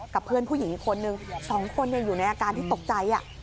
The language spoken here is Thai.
กับเพื่อนผู้หญิงอีกคนนึง๒คนอยู่ในอาการที่ตกใจ